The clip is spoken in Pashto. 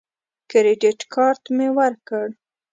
کریډټ کارت مې ورکړ.